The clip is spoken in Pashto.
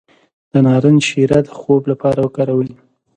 د نارنج شیره د خوب لپاره وکاروئ